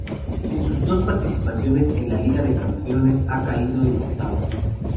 En sus dos participaciones en la Liga de Campeones ha caído en octavos.